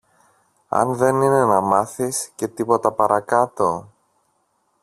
αν δεν είναι να μάθεις και τίποτα παρακάτω;